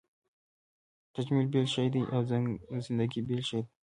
تجمل بېل شی دی او زندګي بېل شی دی.